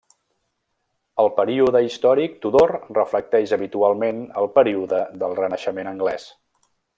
El període històric Tudor reflecteix habitualment el període del Renaixement anglès.